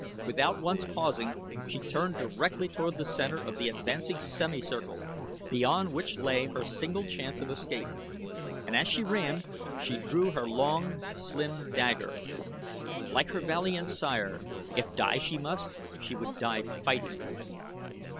Without once pausing she turned directly toward the center of the advancing semi circle, beyond which lay her single chance of escape, and as she ran she drew her long, slim dagger. Like her valiant sire, if die she must, she would die fighting.